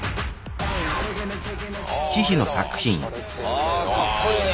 あかっこいいね。